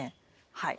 はい。